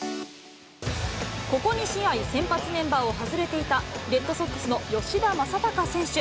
ここ２試合、先発メンバーを外れていたレッドソックスの吉田正尚選手。